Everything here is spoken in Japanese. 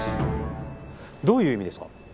どういう意味ですか？